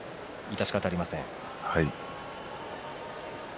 致し方ありません。